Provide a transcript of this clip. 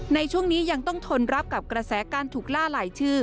ในช่วงนี้ยังต้องทนรับกับกระแสการถูกล่าหลายชื่อ